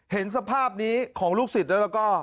เห็นสภาพนี้ของลูกศิษย์แล้วก็